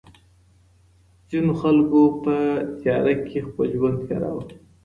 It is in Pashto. ځينو خلګو په تېاره کي خپل ژوند تېراوه.